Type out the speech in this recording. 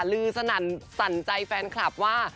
ลือสนั่นสั่นใจแฟนคลับว่า